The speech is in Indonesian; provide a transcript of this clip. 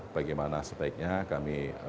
bagaimana sebaiknya kami